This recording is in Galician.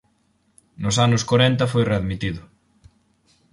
Nos anos corenta foi readmitido.